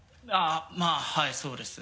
まぁはいそうです。